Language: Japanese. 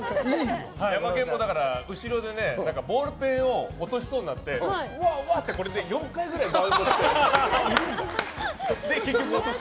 ヤマケンも、後ろでボールペンを落としそうになってうわって４回ぐらいバウンドして。